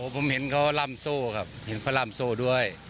ผมเห็นเขาร่ำโซ่ครับเห็นเขาร่ำโซ่ด้วย